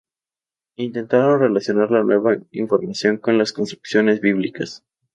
Intentaron relacionar la nueva información con las construcciones bíblicas.